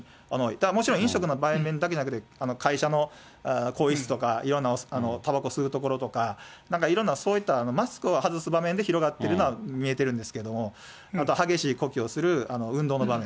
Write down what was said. もちろん飲食の場面だけじゃなくて、会社の更衣室とか、いろんなたばこ吸う所とか、なんかいろんなそういった外す場面で広がっているのは見えてるんですけども、また激しい動きをする運動の場面。